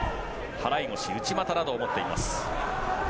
払い腰、内股などを持っています。